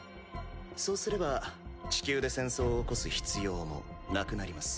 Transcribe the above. そうすれば地球で戦争を起こす必要もなくなります。